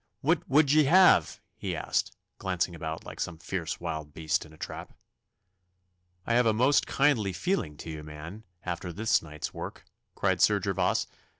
What would ye have?' he asked, glancing about like some fierce wild beast in a trap. 'I have a most kindly feeling to you, man, after this night's work,' cried Sir Gervas.